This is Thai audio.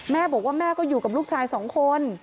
แม่บอกว่าแม่ก็อยู่กับลูกชายสองคน